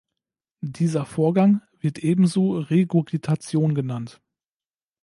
Dieser Vorgang wird ebenso Regurgitation genannt.